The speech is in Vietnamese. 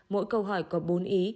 mỗi câu hỏi có bốn ý